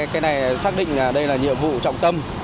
cái này xác định đây là nhiệm vụ trọng tâm